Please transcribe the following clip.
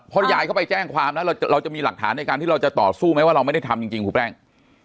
พอยายเข้าไปแจ้งความแล้วเราจะมีหลักฐานในการที่เราจะต่อสู้ไหมว่าเราไม่ได้ทำจริงครูแป้ง